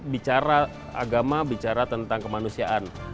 bicara agama bicara tentang kemanusiaan